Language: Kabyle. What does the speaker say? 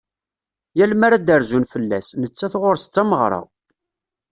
Yal mi ara d-rzun fell-as, nettat ɣur-s d tameɣra.